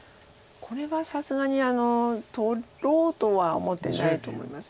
これはさすがに取ろうとは思ってないと思います。